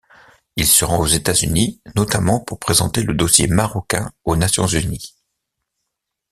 Il se rend aux États-Unis, notamment pour présenter le dossier marocain aux Nations unies.